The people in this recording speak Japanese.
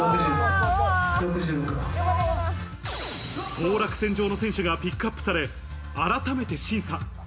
当落線上の選手がピックアップされ、改めて審査。